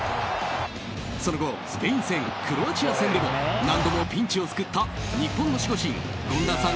その後スペイン戦、クロアチア戦でも何度もピンチを救った日本の守護神権田さん